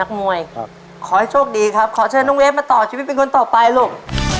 มวยขอให้โชคดีครับขอเชิญน้องเวฟมาต่อชีวิตเป็นคนต่อไปลูก